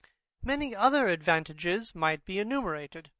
Many other advantages might be enumerated.